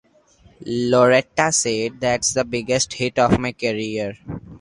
Loretta said, That's the biggest hit of my career.